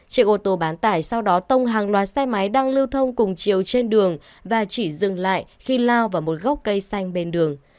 chiếc ô tô bán tải sau đó tông hàng loạt xe máy đang lưu thông cùng chiều trên đường và chỉ dừng lại khi lao vào một gốc cây xanh bên đường